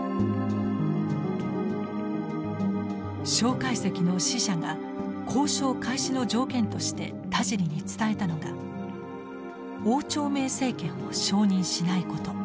介石の使者が交渉開始の条件として田尻に伝えたのが汪兆銘政権を承認しないこと。